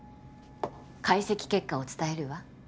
解析結果を伝えるわ。